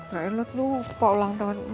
mbak elut lo kepok ulang tahun